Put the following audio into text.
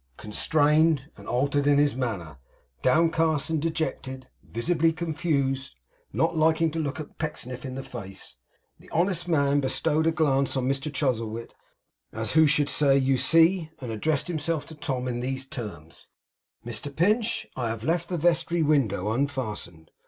Constrained and altered in his manner, downcast and dejected, visibly confused; not liking to look Pecksniff in the face. The honest man bestowed a glance on Mr Chuzzlewit, as who should say 'You see!' and addressed himself to Tom in these terms: 'Mr Pinch, I have left the vestry window unfastened.